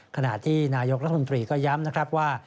ขณะที่นายกรัฐมนตรีก็ย้ำนะครับว่า